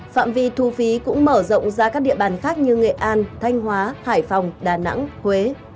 phạm vi thu phí cũng mở rộng ra các địa bàn khác như nghệ an thanh hóa hải phòng đà nẵng huế